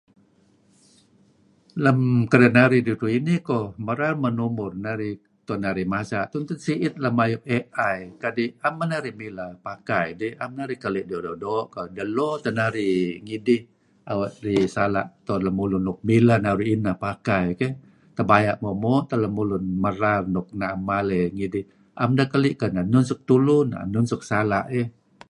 Lem kedinarih ridtu' inih koh, merar men umur narih, tu'en narih masa' tun teh si'it lem ayu' AI kadi' 'am men narih mileh pakai dih, 'am narih keli' dih doo'-doo' koh, delo teh narih ngidih awe' dih sala' tu'en lun nuk mileh naru' ineh pakai keh, tebaya' moo'-moo' teh lemulun merar nuk na'em maley ngidih, na'em deh keli' sapeh suk tulu, sapeh suk sala' dih.